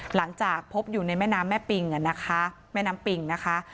หลังจากพบอยู่ในแม่น้ำแม่ปิงนะคะแม่น้ำปิงนะคะ